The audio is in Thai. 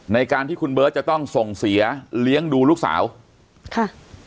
ในการที่คุณเบิร์ตจะต้องส่งเสียเลี้ยงดูลูกสาวค่ะ